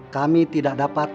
kami tidak dapat